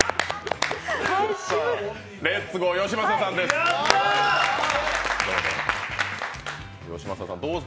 レッツゴーよしまささんです。